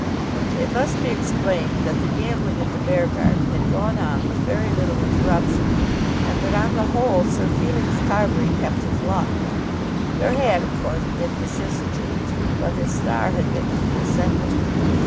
It must be explained that the gambling at the Beargarden had gone on with very little interruption, and that on the whole Sir Felix Carbury kept his luck. There had of course been vicissitudes, but his star had been in the ascendant.